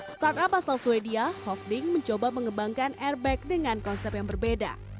startup asal swedia hofding mencoba mengembangkan airbag dengan konsep yang berbeda